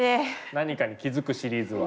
何かに気付くシリーズは。